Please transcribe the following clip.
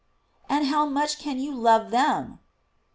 "And how much can you love them?"